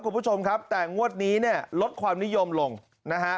คุณผู้ชมครับแต่งวดนี้เนี่ยลดความนิยมลงนะฮะ